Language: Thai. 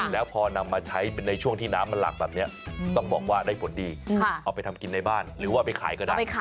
แล้วพอนำมาใช้เป็นในช่วงที่น้ำมันหลากแบบนี้ต้องบอกว่าได้ผลดีเอาไปทำกินในบ้านหรือว่าไปขายก็ได้